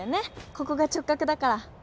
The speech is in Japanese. ここが直角だから。